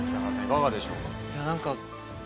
いかがでしょうか？